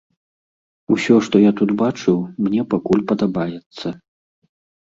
Усё, што я тут бачыў, мне пакуль падабаецца.